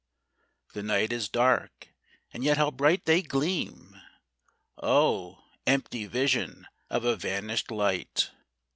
The night is dark, and yet how bright they gleam! Oh! empty vision of a vanish'd light!